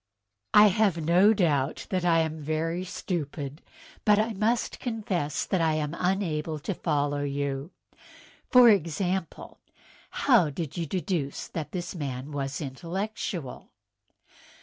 " I have no doubt that I am very stupid; but I must confess that I am unable to follow you. For example, how did you deduce that this man was intellectual?"